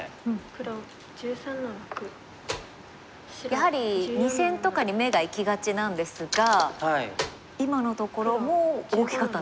やはり２線とかに目がいきがちなんですが今のところも大きかったんですね。